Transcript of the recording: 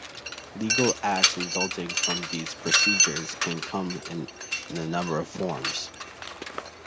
Legal acts resulting from these procedures can come in a number of forms.